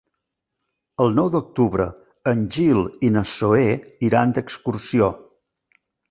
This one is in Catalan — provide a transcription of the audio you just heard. El nou d'octubre en Gil i na Zoè iran d'excursió.